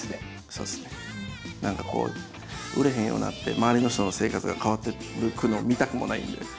何かこう売れへんようになって周りの人の生活が変わっていくのを見たくもないんで。